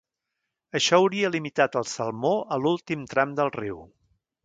Això hauria limitat el salmó a l'últim tram del riu.